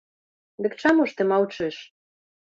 Дык чаму ж ты маўчыш?